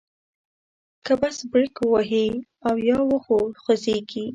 که بس بریک ووهي او یا وخوځیږي.